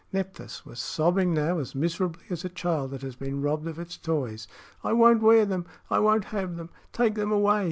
Nephthys was sobbing now as miserably as a child that has been robbed of its toys. "I won't wear them! I won't have them! Take them away!"